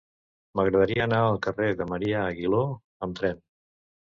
M'agradaria anar al carrer de Marià Aguiló amb tren.